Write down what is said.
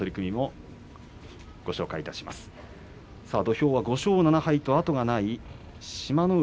土俵は５勝７敗と後がない志摩ノ海。